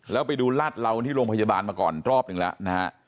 แล้วไปดูลาดเหลาที่โรงพยาบาลมาก่อนรอบหนึ่งแล้วนะฮะ